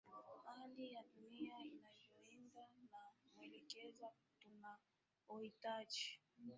hali ya dunia inavyoenda na mwelekeza tunaohitaji